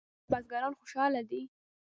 آیا بزګران خوشحاله دي؟